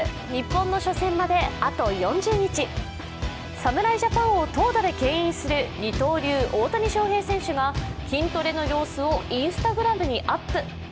侍ジャパンを投打でけん引する二刀流・大谷翔平選手が、筋トレの様子をＩｎｓｔａｇｒａｍにアップ